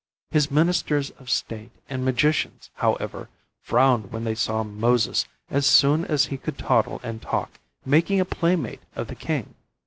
His ministers of state and magicians, however, frowned when they saw Moses, as soon as he could toddle and talk, making a play mate of the king.